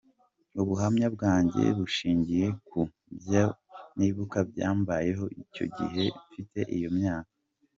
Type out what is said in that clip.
Ubuhamya bwanjye bushingiye ku byo nibuka byambayeho icyo gihe mfite iyo myaka.